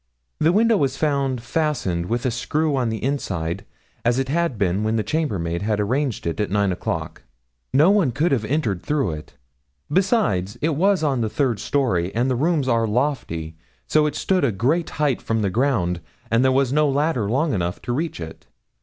The window was found fastened with a screw on the inside, as it had been when the chambermaid had arranged it at nine o' clock; no one could have entered through it. Besides, it was on the third story, and the rooms are lofty, so it stood at a great height from the ground, and there was no ladder long enough to reach it.